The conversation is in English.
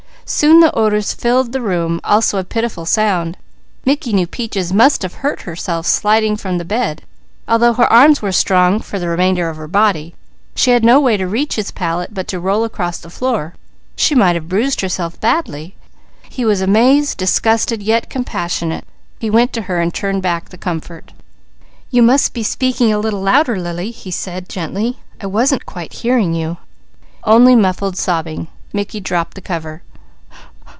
Soon the odours filled the room, also a pitiful sound. Mickey knew Peaches must have hurt herself sliding from the bed, although her arms were strong for the remainder of her body. She had no way to reach his pallet but to roll across the floor. She might have bruised herself badly. He was amazed, disgusted, yet compassionate. He went to her and turned back the comfort. "You must be speaking a little louder, Lily," he said gently. "I wasn't quite hearing you." Only muffled sobbing. Mickey dropped the cover.